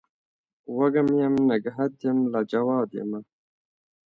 وږم یم نګهت یم لا جواب یمه